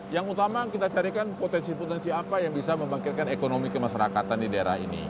yang utama kita carikan potensi potensi apa yang bisa membangkitkan ekonomi kemasyarakatan di daerah ini